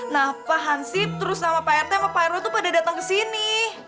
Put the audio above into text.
nah pak hansip terus sama pak rt sama pak ero tuh pada datang kesini